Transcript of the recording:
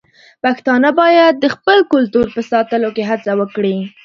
پښتانه بايد د خپل کلتور په ساتلو کې هڅه وکړي.